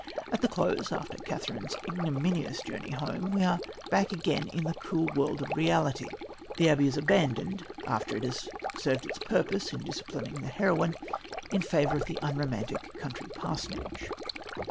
At the close, after Catherine's ignominious journey home, we are back again in the cool world of reality. The abbey is abandoned, after it has served its purpose in disciplining the heroine, in favour of the unromantic country parsonage.